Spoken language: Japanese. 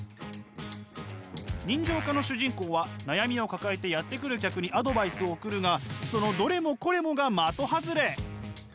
人情家の主人公は悩みを抱えてやって来る客にアドバイスを送るがそのどれもこれもが的外れ！